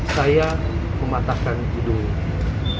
saya mematahkan hidungnya